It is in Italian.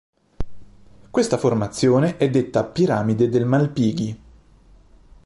Questa formazione è detta piramide del Malpighi.